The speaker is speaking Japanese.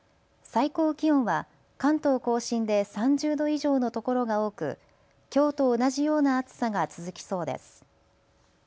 最高気温は関東甲信で３０度以上の所が多く、きょうと同じような暑さが続きそうです。